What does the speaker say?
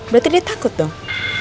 berarti dia takut dong